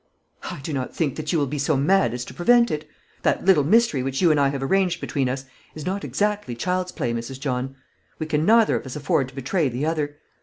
"I do not think that you will be so mad as to prevent it. That little mystery which you and I have arranged between us is not exactly child's play, Mrs. John. We can neither of us afford to betray the other.